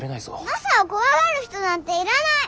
マサを怖がる人なんていらない！